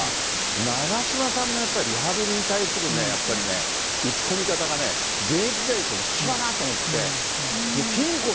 長嶋さんがやっぱりリハビリに対するね、やっぱりね、打ち込み方がね、現役時代と一緒だなと思って。